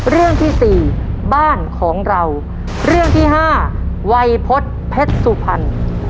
เรื่องที่สี่บ้านของเราเรื่องที่ห้าวัยพฤษเพชรสุพรรณ